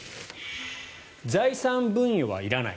財産分与はいらない。